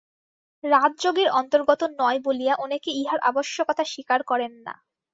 রাজযোগের অন্তর্গত নয় বলিয়া অনেকে ইহার আবশ্যকতা স্বীকার করেন না।